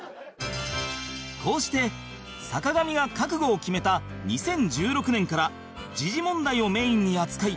こうして坂上が覚悟を決めた２０１６年から時事問題をメインに扱い